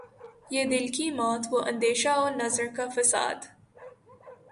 یہ دل کی موت وہ اندیشہ و نظر کا فساد